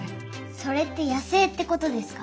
それって野生ってことですか？